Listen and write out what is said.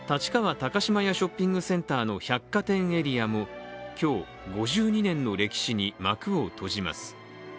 高島屋ショッピングセンターの百貨店エリアも今日、５２年の歴史に幕を閉じます。